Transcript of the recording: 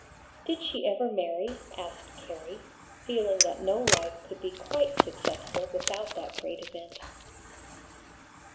"Did she ever marry?" asked Carrie, feeling that no life could be quite successful without that great event.